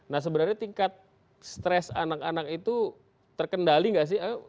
nah sebenarnya tingkat stres anak anak itu terkendali nggak sih